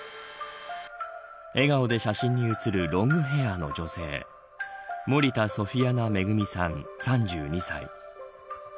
笑顔で写真に写るロングヘアーの女性森田ソフィアナ恵さん、３２歳。